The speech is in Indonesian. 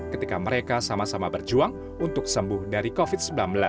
ketika mereka sama sama berjuang untuk sembuh dari covid sembilan belas